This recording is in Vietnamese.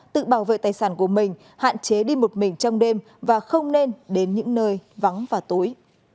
tự bảo vệ tài sản của mình hạn chế đi một mình trong đêm và không nên đến những nơi vắng và tối